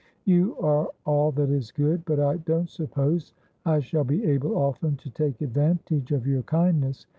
' You are all that is good : but I don't suppose I shall be able often to take advantage of your kindness.